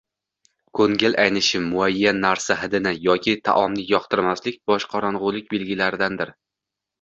Ko‘ngil aynishi, muayyan narsa hidini yoki taomni yoqtirmaslik boshqorong‘ilik belgilaridir.